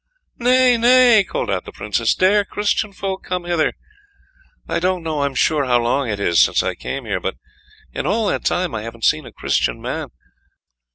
"Nay, nay," called out the Princess, "dare Christian folk come hither? I don't know I'm sure how long it is since I came here, but in all that time I haven't seen a Christian man.